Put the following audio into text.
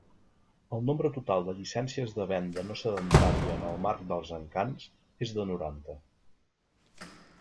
El nombre total de llicències de Venda No Sedentària en el marc dels Encants és de noranta.